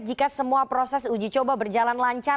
jika semua proses uji coba berjalan lancar